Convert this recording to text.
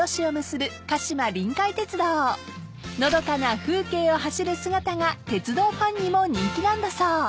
［のどかな風景を走る姿が鉄道ファンにも人気なんだそう］